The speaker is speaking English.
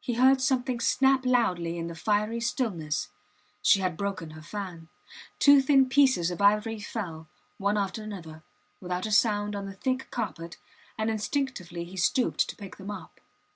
He heard something snap loudly in the fiery stillness. She had broken her fan. Two thin pieces of ivory fell, one after another, without a sound, on the thick carpet, and instinctively he stooped to pick them up.